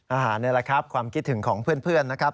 นี่แหละครับความคิดถึงของเพื่อนนะครับ